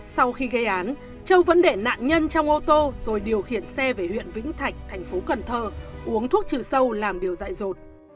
sau khi gây án châu vẫn để nạn nhân trong ô tô rồi điều khiển xe về huyện vĩnh thạch thành phố cần thơ uống thuốc trừ sâu làm điều dạy rột